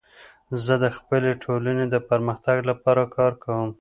زه د خپلي ټولني د پرمختګ لپاره کار کوم.